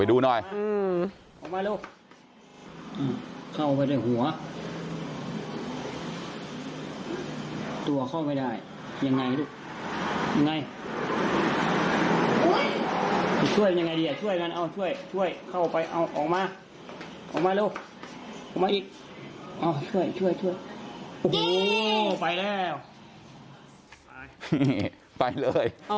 อู้หูไปแล้ว